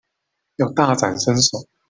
要大展身手